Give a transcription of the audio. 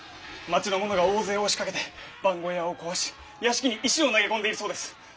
町の者が大勢押しかけて番小屋を壊し屋敷に石を投げ込んでいるそうです。